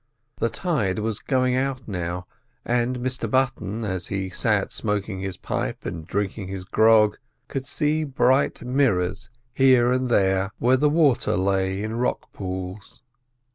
The tide was going out now, and Mr Button, as he sat smoking his pipe and drinking his grog, could see bright mirrors here and there where the water lay in rock pools.